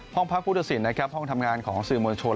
ห้องพักผู้ตัดสินนะครับห้องทำงานของสื่อมวลชน